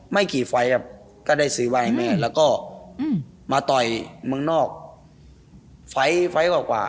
ไม่กี่ไฟล์ครับก็ได้ซื้อไว้ให้แม่แล้วก็มาต่อยเมืองนอกไฟล์ไฟล์กว่า